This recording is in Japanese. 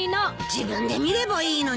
自分で見ればいいのに。